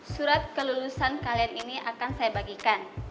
surat kelulusan kalian ini akan saya bagikan